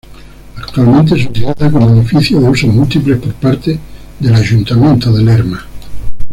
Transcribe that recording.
Actualmente se utiliza como edificio de usos múltiples por parte del Ayuntamiento de Lerma.